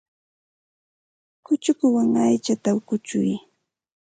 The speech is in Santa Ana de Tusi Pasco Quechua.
Kuchukuwan aychata kuchuy.